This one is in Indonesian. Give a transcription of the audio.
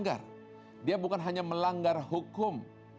tidak hanya melanggar hukum